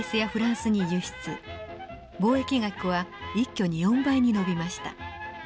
貿易額は一挙に４倍に伸びました。